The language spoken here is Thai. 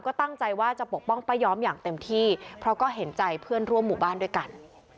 ก็ตั้งใจว่าจะปกป้องป้าย้อมอย่างเต็มที่เพราะก็เห็นใจเพื่อนร่วมหมู่บ้านด้วยกัน